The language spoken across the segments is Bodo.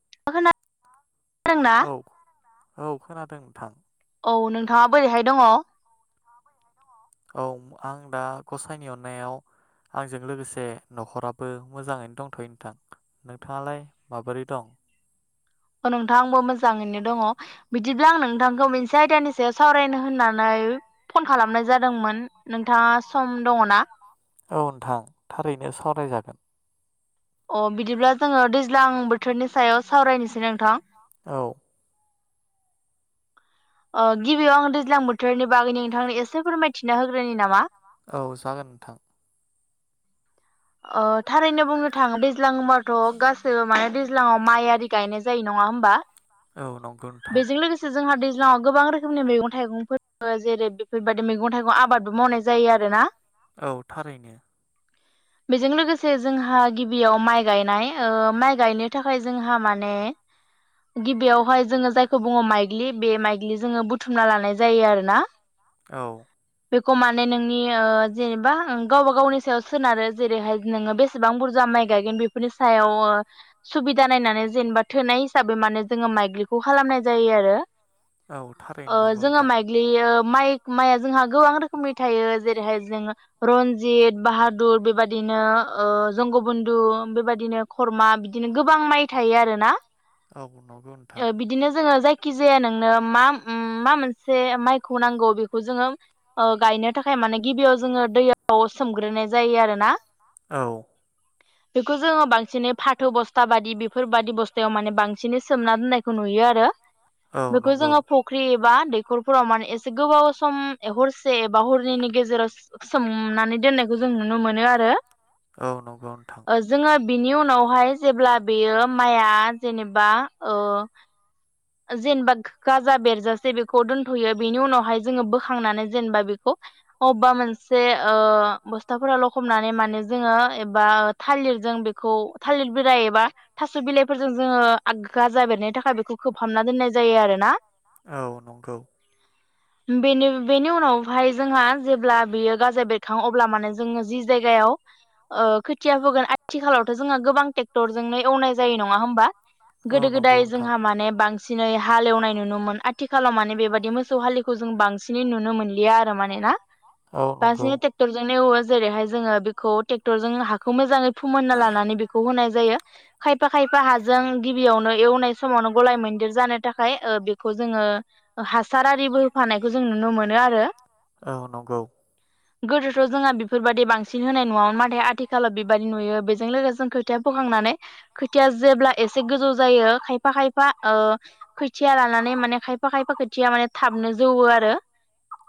[unintelligible] खोनादोंना औ औ खोनादों नोंथां। थाङा बोरैहाय दङ? औ आं दा गसाइनि अननायाव आंजों लोगोसे न'खराबो मोजाङैनो दंथ'यो नोंथां। नोंथाङालाय माबोरै दं? अ नोंथां आंबो मोजाङैनो दङ। बिदिब्ला आं नोंथांखौ मोनसे आयदानि सायाव सावरायनो होननानै फन खालामनाय जादोंमोन नोंथाङा सम दङ ना? औ नोंथां थारैनो सावरायजागोन। अ बिदिब्ला जोङो दैज्लां बोथोरनि सायाव सावरायनोसै नोंथां। औ। अ गिबियाव आं दैज्लां बोथोरनि बागैनो नोंथांनो एसे फोरमायथिना होग्रोनि नामा? औ जागोन नोंथां। थारैनो बुंनो थाङो दैज्लां होनबाथ' गासैबो माने दैज्लाङाव माइ आरि गायनाय जायो नङा होमबा? औ नंगौ नोंथां। बेजों लोगोसे जोंहा दैज्लाङाव गोबां रोखोमनि मैगं थाइगंफोर जेरै- बेफोरबायदि मैगं थाइगं आबादबो मावनाय जायो आरोना। औ थारैनो बेजों लोगोसे जोंहा गिबियाव माइ गायनाय माइ गायनो थाखाय जोंहा माने गिबियावहाय जोंङो जायखौ बुंङो माइग्लि बे माइग्लि जोंङो बुथुमना लानाय जायो आरोना। औ बेखौ माने नोंनि ओ जेनेबा ओ गावबा गावनि सायाव सोनारो जेरैहाय नोङो बेसेबां बुरजा माइ गायगोन बेफोरनि सायाव ओ सुबिदा नायनानै जेनेबा थोनाय हिसाबै माने जोङो माइग्रिखौ खालामनाय जायो आरो। औ थारैनो ओ नंगौ जोङो नोंथां माइग्लि ओ माइ माइआ जोंहा गोबां रोखोमै थायो जेरैहाय जोंङो रनजित, बाहादुर बेबादि नो ओ जोंगुबुनदु बेबायदिनो खरमा बिदिनो गोबां माइ थायो आरो ना? औ नंगौ नोंथां ओ बिदिनो जोङो जाय खिजाया नोंनो मा मा मोनसे माइखौ नांगौ बेखौ जोङो ओ गायनो थाखाय माने गिबियाव जोङो दैयाव सोमग्रोनाय जायो आरोना। औ। बेखौ जोङो बांसिनै फाथो बस्था बादि बेफोरबायदि बस्थायाव माने बांसिनै सोमना दोननायखौ नुयो आरो। औ बेखौ नंगौ जोङो फख्रि बा दैखरफोराव माने एसे गोबाव सम हरसे बा हरनैनि गेजेराव सो सोमनानै दोननायखौ जों नुनो मोनो आरो। औ नंगौ नोंथां। ओ जोङो बिनि उनावहाय जेब्ला बेयो माइआ जेनेबा ओ जेनेबा गाजा बेरजासे बेखौ दोनथ'यो। बेनि उनावहाय जोङो बोखांनानै जेनेबा बेखौ अबेबा मोनसे ओ बस्थाफोराव लखमनानै माने जोङो एबा थालिरजों बेखौ थालिर बिलाइ एबा थास' बिलाइफोरजों जोङो आ गाजा बेेरनायनि थाखाय बेखौ खोबहाबना दोननाय जायो आरो ना। औ नंगौ। बेनि बेनि उनावहाय जोंहा जेब्ला बियो गाजा बेरखांयो अब्ला माने जोङो जि जायगायाव ओ खोथिया फोगोन आथिखालावथ' जोंहा गोबां ट्रेक्टरजोंनो एवनाय जायो नङा होमबा? औ गोदो नंगौ गोदाय नोंथां। जोंहा माने बां सिनै हालेवनाय नुनोमोन। आथिखालाव माने बेबायदि मोसौ हालिखौ जों बांसिनै नुनो मोनलिया आरो माने ना? औ नंगौ। बांसिनै टेक्टरजोंनो एवो जेरैहाय जोङो बे खौ ट्रेक्टर जों हाखौ मोजाङै फोमोनना लानानै बेखौ होनाय जायो। खायफा खायफा हाजों गिबियावनो एवनाय समावनो गलाय मैन्दिर जानो थाखाय ओ बेखौ जोङो हासार आरिबो होफानायखौ जों नुनो मोनो आरो। औ नंगौ। गोदोथ' जोंहा बेफोरबायदि बांसि न होनाय नङा नाथाय आथिखालाव बेबादि नुयो बेजों लोगोसे जों खोथिया फोखांनानै खोथिया जेब्ला एसे गोजौ जायो खायफा खायफा ओ खोथिया लानानै माने खायफा खायफा खोथिया माने थाबनो जौवो आरो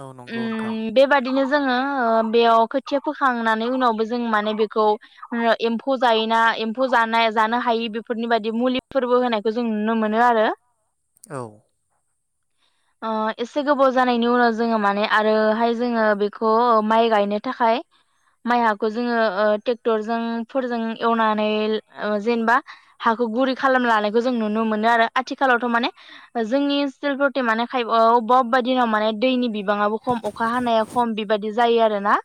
औ नंगौ नोंथां उम बेबादिनो ज जोङो ओ बेयाव खोथिया फो खांनानै उनावबो जों माने बेखौ ओ एम्फौ जायोना एम्फौ जानाय जानो हायि बेफोरनि बादि मुलिफोरबो होनायखौ जों नुनो मोनो आरो। औ। ओ एसे गोबाव जानायनि उनाव जोङो माने आरोहाय जोङो बेखौ ओ माइ गायनो थाखाय। माइ हाखौ जोङो ओ ट्रेक्टरजों फोरजों एवनानै ओ जेनेबा हाखौ गुरै खालामना लानायखौ जों नुनो मोनो आरो आथिखालावथ' माने जोंनि ओनसोलफोरथे माने खायफा अबेबा अबेबा दिनाव माने दैनि बिबाङाबो खम अखा हानाया खम बेबादि जायो आरोना।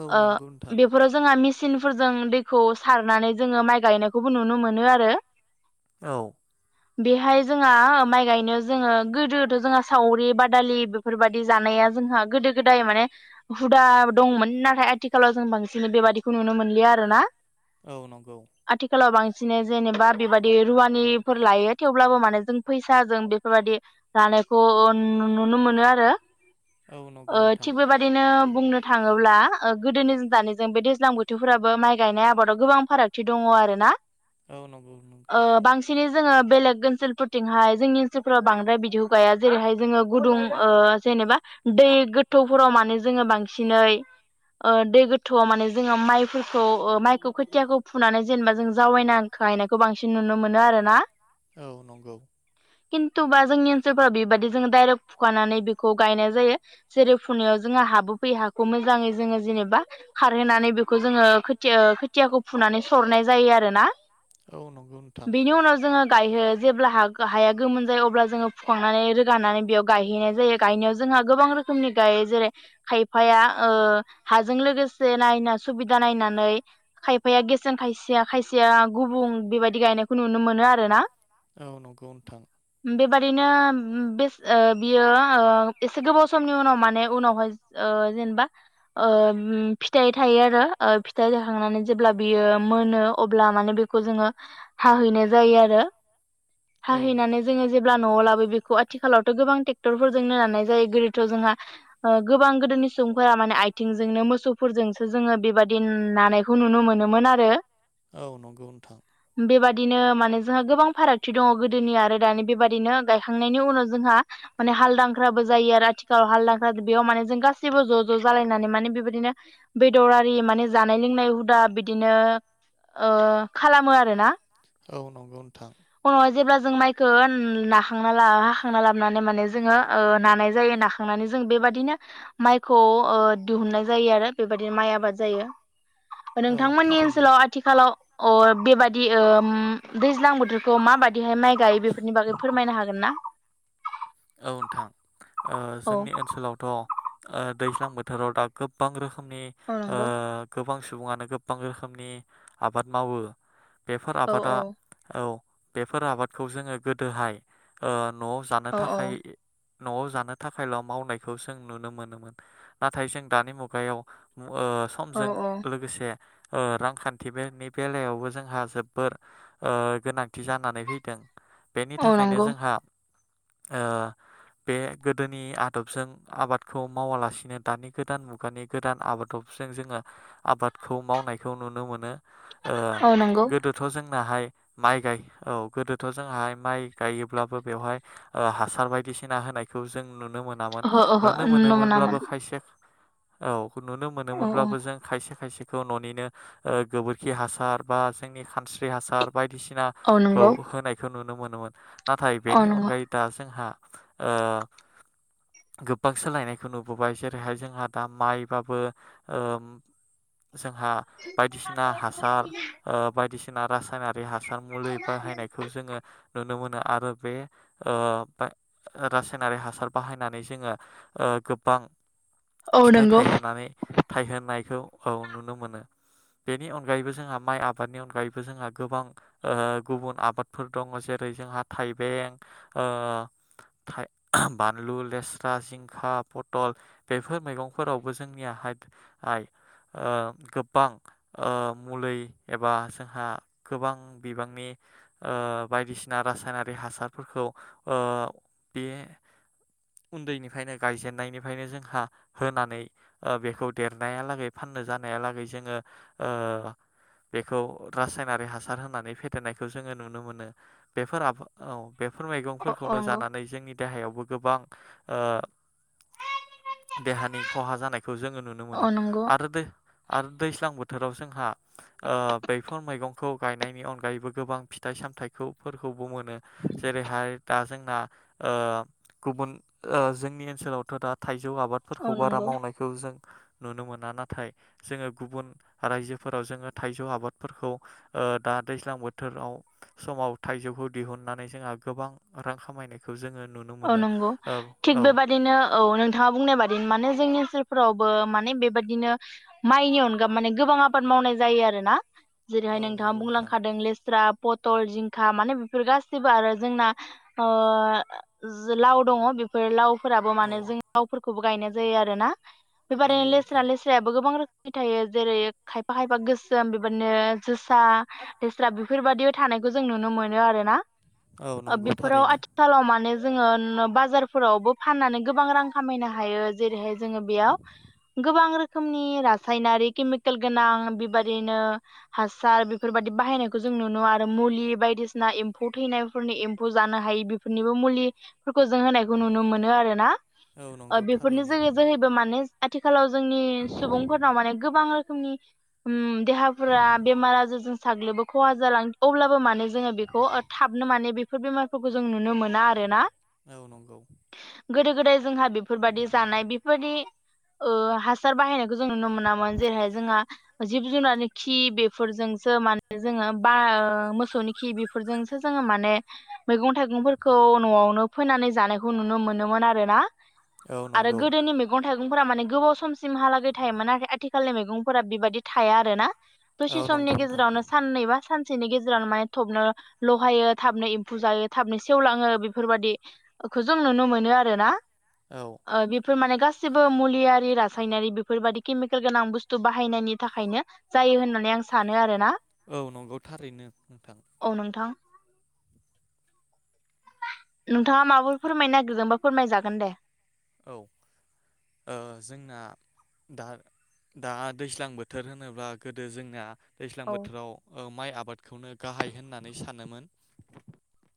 औ ओ नंगौ नोंथां बेफोराव जोंहा मिस मेचिनफोरजों दैखौ सारनानै जोङो माइ गायनायखौबो नुनो मोनो आरो। औ। बेहाय जोंहा माइ गायनो जोङो गोदोथ' जोंहा सावरि बादालि बेफोरबादि जानाया जोंहा गोदो गोदाय माने हुदा दंमोन। नाथाय आथिखालाव जों बांसिनै बेबादिखौ नुनो मोनलिया आरो ना। औ नंगौ। सिनै जेनेबा बेबादि रुवानिफोर लायो थेवब्लाबो माने जों फैसाजों बेफोरबादि लानायखौ ओ नुनो मोनो आरो। औ नंगौ नोंथां थिग बेबादिनो। बुंनो थाङोब्ला। गोदोनि दानि जों बे दैज्लां बोथोरफोराबो माइ गायनाय आबादाव गोबां फारागथि दङ आरो ना। औ नंगौ। ओ बांसिनै जोङो बेलेग ओनसोलफोरथिंहाय जोंनि ओनसोलफोराव बांद्राय बिदिखौ गाया जेरैहाय जोङो गुदुं जेनेबा दै गोथौफोराव माने जोङो बांसिनै। दै गोथौआव माने जोङो माइफोरखौ माइखौ खोथियाखौ फुनानै जेनेबा जों जावैना गायनायखौ बांसिन नुनो मोनो आरो ना। औ नंगौ। खिन्थुबा जोंनि ओनसोलफ्राव बेबायदि जों दाइरेक्ट फुखानानै बेखौ गायनाय जायो जेरै फुनायाव जोंहा हाबो फैयो हाखौ मोजाङै। जोङो जेनेबा खारहोनानै बेखौ जोङो खोथिया खोथियाखौ फुनानै सरनाय जायो आरोना। औ नंगौ नोंथां। गाययो जेब्ला हाया गोमोन जायो अब्ला जोङो फुखांनानै रोगानानै बेयाव गायहैनाय जायो गायनायाव जोंहा गोबां रोखोमनि गायो जेरै खायफाया। हाजों लोगोसे नायना सुबिदा नायनानै खायफाया गेसें खायसेया खायसेया गुबुं बेबायदि गायनायखौ नुनो मोनो आरो ना। औ नंगौ नोंथां। बेबादिनो बे बियो एसे गोबाव समनि उनाव माने उनावहाय जेनेबा। फिथाइ थायो आरो फिथाइ जाखांनानै जेब्ला बियो मोनो अब्ला माने बेखौ जोङो हाहैनाय जायो आरो। औ हाहैनानै जोङो जे। नआव लाबोयो बेखौ आथिखालावथ गोबां ट्रेक्टर जोंनो नानाय जायो गोदोथ जोंहा गोबां गोदोनि सुबुंफोरा माने। आथिंजोंनो मोसौफोरजोंसो जोंङो बेबादि नानायखौ नुनो मोनोमोन आरो। औ नंगौ नोंथां। बेबायदिनो माने जोंहा गोबां फारागथि दङ गोदोनि आरो दानि बेबायदिनो गायखांनायनि उनाव जोंहा माने हालजांख्राबो जायो आरो आथिखालाव हालजांख्रा बेयाव माने जों गासैबो ज ज जालायनानै। माने बेबायदिनो बेदर आरि माने जानाय लोंनाय हुदा बिदिनो खालामो आरो ना। औ नंगौ नोंथां। उनावहाय जेब्ला जों माइखौ नाखांना लाना हाखांना लाबोनानै माने जोंङो नानाय जायो नाखांनानै जों बेबदिनो माइखौ दिहुननाय जायो आरो बेबायदिनो माइ आबाद जायो। औ नोंथांमोननि थारैनो ओनसोलाव आथिखालाव। अ बेबादि दैज्लां बोथोर। माबादिहाय माइ गायो बेफोरनि बागै फोरमायनो हागोन ना। औ नोंथां। औ जोंनि ओनसोलावथ। दैज्लां बोथोराव दा गोबां रोखोमनि। औ नंगौ गोबां। सुबुङानो गोबां रोखोमनि आबाद मावो। बेफोर औ आबादा औ औ। बेफोर आबादखौ जोंङो गोदोहाय नआव। औ थाखाय। नआव जानो थाखायल मावनायखौ जों नुनो मोनोमोन नाथाय जों दानि मुगायाव। औ समजों औ लोगोसे। रांखान्थि बेनि बेलायावबो जोंहा जोबोर गोनांथि जानानै फैदों। बेनि औ थाखायनो नंगौ जोंहा। बे गोदोनि आदबजों आबादखौ मावालासिनो दानि गोदान मुगानि गोदान आबादबजों जोंङो आबादखौ मावनायखौ नुनो मोनो। औ नंगौ गोदोथ' जों जोंनाहाय माइ गायो औ गोदोथ' जोंहाय माइ गायोब्लाबो बेवहाय हासार बायदिसिना होनायखौ जों नुनो मोनामोन ओहो ओहो नुनो मोनामोन मोनोमोनब्लाबो खायसे औ‌। नुनो औ औ मोनोमोनब्लाबो जों खायसे खायसे। खौ न'निनो गोबोरखि हासार बा जोंनि खानस्रि हासार औ बायदिसिनाखौ नंगौ होनायखौ नुनो नुनो मोनोमोन नाथाय औ बेनि नंगौ अनगायै। जोंहा गोबां सोलायनायखौ नुबोबाय जेरैहाय जोंहा दा माइबाबो ओ। जोंहा बायदिसिना हासार बायदिसि ना रासायना रि हासार मुलि बाहायनायखौ जोङो नुनो मोनो। आरो बे रासायनारि हासार बाहायनानै जोङो गोबां औ फिथाइ नंगौ थाइहोनानै थाइहोनायखौ। औ नुनो मोनो बेनि अनगायैबो जोंहा माइ आबादनि अनगायैबो जोंहा गोबां गुबुन आबादफोर दङ जेरै जोंहा थाइबें बानलु लेस्रा जिंखा पटल बेफोर मैगंफोरावबो जोंनियायइ गोबां मुलि एबा जोंहा गोबां बिबांनि बायदिसिना रासायनारि हासार। फोरखौ बे उन्दैनिफ्रायनो गायजेननायनिफ्रायनो जोंहा होनानै बेखौ देरनायालागै फाननो जानायालागै जोङो बेखौ रासायनारि हासार होनानै फेदेरनायखौ जोङो नुनो मोनो बेफोर बेफोर औ मैगंफोरखौनो नंगौ जानानै जोंनि देहायावबो। गोबां देहानि खहा जानायखौ जोङो नुनो मोनो औ नंगौ आरो दै आरो दैस्लां बो थोराव जोंहा बेफोर मैगंखौ गायनायनि अनगायैबो गोबां फिथाइ सामथाइखौफोरखौ मोनो जेरै हारि दाजों गुब जोंनि ओनसोलावथ' दा थाइ जौ आबादफोरखौ औ बारा नंगौ मावनायखौ जों नुनो मोना नाथाय जोङो गुबुन रायजोफोराव जोङो थाइजौ आबादफोरखौ दा दैज्लां बोथोराव समाव थाइजौखौ दिहुननानै जोंहा गोबां रां खामायनायखौ जोङो नुनो औ मोनो नंगौ औ औ थिग बेबादिनो औ नोंथाङा बुंनाय बादिनो माने जोंनि ओनोलफोरावबो माने बेबादिनो माइनि अनगा माने गोबां आबाद मावनाय जायो आरोना जेरैहाय औ नोंथाङा नंगौ नोंथां बुंलांखादों लेस्राब पथल जिंखा माने बेफोर गासिबो आरो जोंना लाव दङ बेफोर लाव फोराबो माने औ जों रावफोरखौ खौबो गायनाय जायो आरो ना बेबादि नंगौ लेस्रा नोंथां लेस्राया गोबां रोखो फैथायो जेरै खायफा खायफा गोसोम बेबायदिनो जोसा लेस्रा बेफोरबायदियाव थानायखौ जों नुनो मोनो आरो ना। औ नंगौ बेफोराव थारैनो आथिखालाव माने जोङो बाजारफोरावबो फाननानै गोबां रां खामायनो हायो जेरैहाय जोङो बेयाव गोबां रोखोमनि रासायनारि केमिकेल गोनां बेबादिनो हासार बेफोरबायदि बाहायनायखौ जों नुनो मोनो आरो मुलि बायदिसिना एम्फौ थैनायफोरनि एम्फौ जानो हायि बेफोरनिबो मुलि फोरखौ जों होनायखौ नुनो मोनो आरो ना। औ नंगौ बेफोरनि थारैनो जो जोहैबो माने आथिखालाव जोंनि सुबुंफोरनाव माने गोबां रोखोम फुंनि देहाफोरा बेमार आजारजों साग्लोबबो खहा जालां अब्लाबो माने जोङो बेखौ थाबनो माने बेफोर बेमारफोरखौ जों नुनो मोना आरोना औ नंगौ गोदो गोदाय जोंहा बेफोरबायदि जानाय बेफोरबायदि हासार बाहायनायखौ जों नुनो मोनामोन जेरैहाय जोंहा जिब जुनारनि खि बेफोरजोंसो माने जोङो बा मोसौनि खि बेफोरजोंसो जोङो माने मैगं थाइगंफोरखौ न'आवनो फैनानै जानायखौ नुनो मोनोमोन आरो ना औ आरो नंगौ गोदोनि मेगं थाइगंफोरा माने गोबाव समसिमहालागै थायोमोन आरो आथिखालनि मैगंफोरा बेबायादि थाया आरो ना। औ दसे नंगौ समनि नोंथां गेजेरावनो साननै बा सानसे मानसेनि गेजेरावनो माने थाबनो लहायो थाबनो एम्फौ जायो थाबनो सेवलाङो बेफोरबादि खौ जों नुनो मोनो आरो ना। औ फोर माने गासिबो मुलियारि रासायनारि बेफोरबादि केमिकेल गोनां बुस्थु बाहायनायनि थाखायनो जायो होननानै आं सानो आरो ना। औ नंगौ थारैनो नोंथां औ [unintelligible] नोंथाङा माबाफोर फोरमायनो नागिरदोंबा फोरमायजागोन दे औ जोंना दा दा दैज्लां बोथोर होनोब्ला गोदो जोंना दैज्लां औ बोथोराव ओ माइ आबाद खौनो गाहाय होननानै सानोमोन [unintelligible]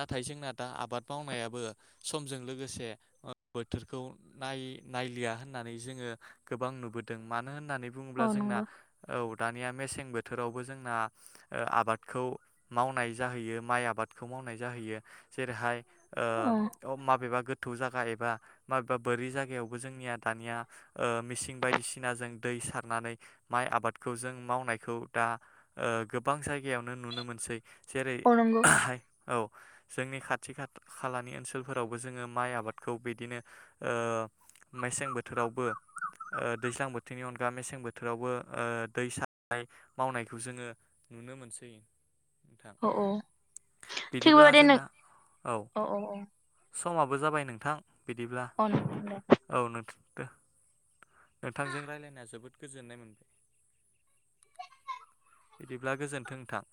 नाथाय जोंना दा आबाद मावनायाबो समजों लोगोसे बोथोरखौ नाय नायलिया होननानै जोङो गोबां नुबोदों मा नो होननानै अ बुङोब्ला जोंना नंगौ औ दानिया मेसें बोथोरावबो जोंना ओ आबादखौ मावनाय जाहैयो माइ आबादखौ मावनाय जाहैयो जेरैहाय अ ओ माबेबा गो [unintelligible] एबा माबेबा बोरि जायगायावबो जोंनिया दानिया ओ मिसिं बायदिसिनाजों दै सारनानै माइ आबादखौ जों मावनायखौ दा ओ गोबां जायगायावनो नुनो मोनसै अ नंगौ जेरैहाय औ। जोंनि खाथि खा खालानि ओनसोलफोरावबो जोङो माइ आबाद खौ बिदिनो ओ मेसें बोथोरावबो ओ दैज्लां बोथोरनि अनगा मेसें बोथोरावबो ओ दै सारनानै मावनायखौ जोङो नुनो मोनसै। नोंथां औ औ बिदिब्ला थेवबो दे नों जोंना अ औ औ। समाबो जाबाय नों बिदिब्ला औ नोंथां दे औ नोंथ [unintelligible] नोंथांजों रायलायनाया जोबोद गोजोननाय मोनबाय बिदिब्ला गोजोनथों नोंथां।